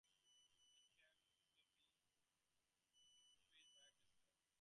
It can also be approached via Kyatsandra.